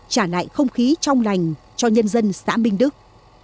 trả lại không khí trong lành cho nhân dân xã minh đức